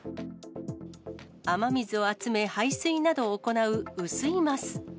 雨水を集め、排水などを行う雨水ます。